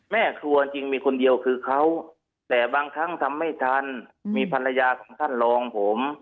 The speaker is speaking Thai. ครัวจริงมีคนเดียวคือเขาแต่บางครั้งทำไม่ทันมีภรรยาของท่านรองผม